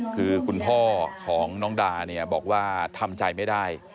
คือคุณพ่อของน้องดาเนี่ยบอกว่าทำใจไม่ได้